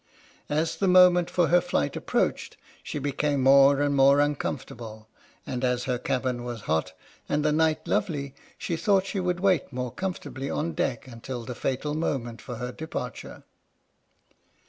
As the moment for her flight ap proached, she became more and more uncomfortable ; and as her cabin was hot, and the night lovely, she thought she would wait more comfortably on deck until the fatal moment for her departure.